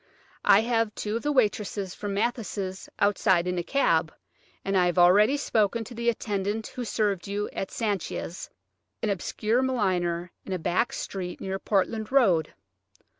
I have two of the waitresses from Mathis' outside in a cab, and I have already spoken to the attendant who served you at Sanchia's, an obscure milliner in a back street near Portland Road.